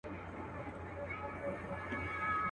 له سدیو دا یوه خبره کېږي.